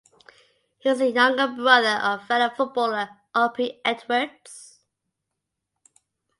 He is the younger brother of fellow footballer Opi Edwards.